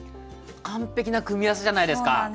完璧な組み合わせじゃないですか。